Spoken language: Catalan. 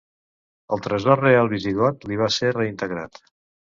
El tresor real visigot li va ser reintegrat.